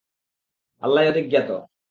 আল্লাহই অধিক জ্ঞাত।